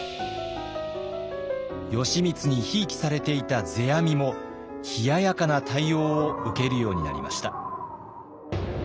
義満にひいきされていた世阿弥も冷ややかな対応を受けるようになりました。